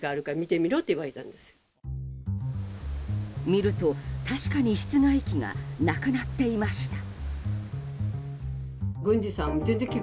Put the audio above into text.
見ると、確かに室外機がなくなっていました。